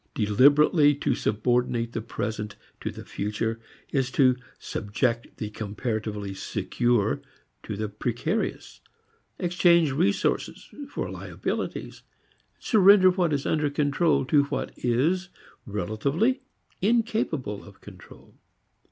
Deliberately to subordinate the present to the future is to subject the comparatively secure to the precarious, exchange resources for liabilities, surrender what is under control to what is, relatively, incapable of control.